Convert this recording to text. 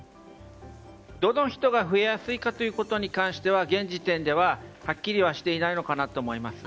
どの人が増えやすいかということに関しては現時点でははっきりとはしていないのかなと思います。